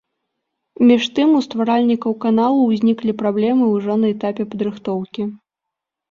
Між тым, у стваральнікаў каналу ўзніклі праблемы ўжо на этапе падрыхтоўкі.